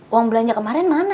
uang belanja kemarin mana